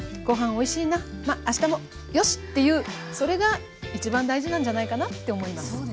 ごはんおいしいなまあしたもよし！っていうそれが一番大事なんじゃないかなって思います。